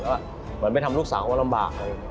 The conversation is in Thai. ก็เหมือนไปทำลูกสาวก็ลำบาก